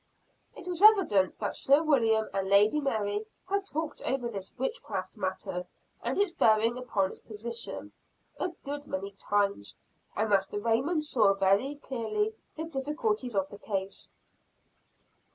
It was evident that Sir William and Lady Mary had talked over this witchcraft matter, and its bearing upon his position, a good many times. And Master Raymond saw very clearly the difficulties of the case.